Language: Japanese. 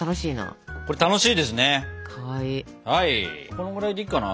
このぐらいでいいかな。